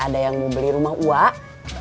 ada yang mau beli rumah uak